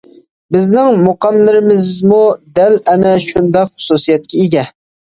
بىزنىڭ مۇقاملىرىمىزمۇ دەل ئەنە شۇنداق خۇسۇسىيەتكە ئىگە.